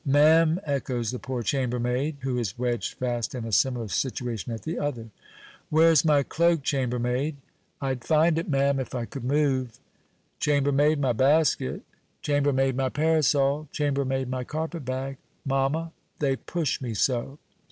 "Ma'am!" echoes the poor chambermaid, who is wedged fast, in a similar situation, at the other. "Where's my cloak, chambermaid?" "I'd find it, ma'am, if I could move." "Chambermaid, my basket!" "Chambermaid, my parasol!" "Chambermaid, my carpet bag!" "Mamma, they push me so!"